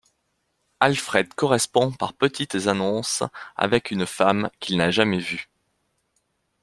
Alfred correspond par petites annonces avec une femme qu'il n'a jamais vue.